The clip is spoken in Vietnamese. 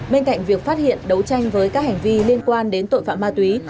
bên cạnh việc phát hiện đấu tranh với các hành vi liên quan đến tội phạm ma túy